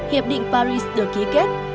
hiệp định paris được ký kết